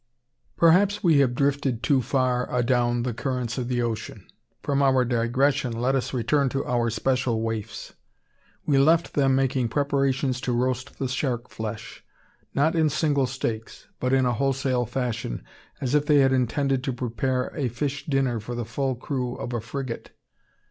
Perhaps we have drifted too far adown the currents of the ocean. From our digression let us return to out special "Waifs." We left them making preparations to roast the shark flesh, not in single steaks, but in a wholesale fashion, as if they had intended to prepare a "fish dinner" for the full crew of a frigate.